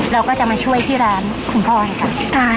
เราก็จะมาช่วยที่ร้านคุณพ่อเลยค่ะ